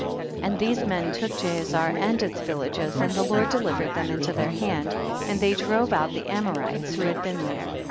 3L And these men took Jaazer and its villages, and the Lord deliv ered them into tlicir hand, and they drove out the Amorites wlio had been there.